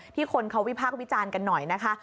คนเขาวิพากษ์วิจารณ์กันหน่อยนะคะ